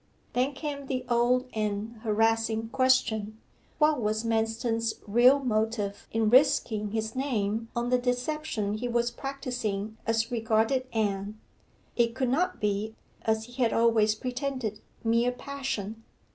Then came the old and harassing question, what was Manston's real motive in risking his name on the deception he was practising as regarded Anne. It could not be, as he had always pretended, mere passion.